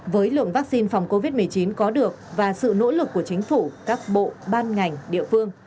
với lượng vaccine phòng covid một mươi chín có được và sự nỗ lực của chính phủ các bộ ban ngành địa phương